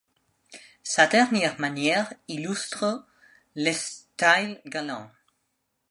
Sa dernière manière illustre le style galant.